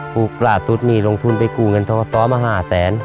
ปลาสุดมีลงทุนไปปลูกเงินท้องกะซ้อมหาแสน